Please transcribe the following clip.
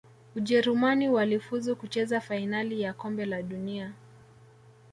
Ujerumani walifuzu kucheza fainali ya kombe la dunia